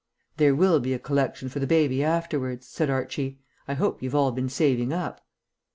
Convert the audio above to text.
"There will be a collection for the baby afterwards," said Archie. "I hope you've all been saving up."